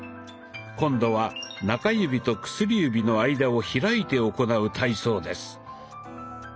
今度は中指と薬指の間を開いて行う体操です。